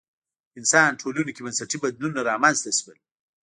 په انسان ټولنو کې بنسټي بدلونونه رامنځته شول